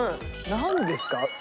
何ですか？